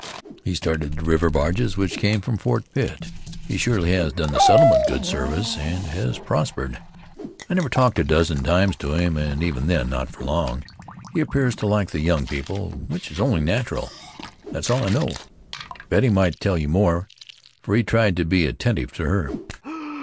He started the river barges, which came from Fort Pitt. He has surely done the settlement good service, and has prospered. I never talked a dozen times to him, and even then, not for long. He appears to like the young people, which is only natural. That's all I know; Betty might tell you more, for he tried to be attentive to her."